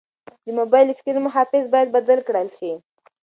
د موبایل د سکرین محافظ باید بدل کړل شي.